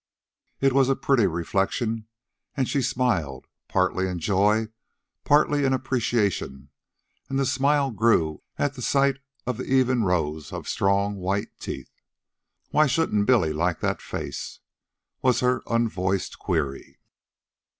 It was a pretty reflection, and she smiled, partly in joy, partly in appreciation, and the smile grew at sight of the even rows of strong white teeth. Why shouldn't Billy like that face? was her unvoiced query.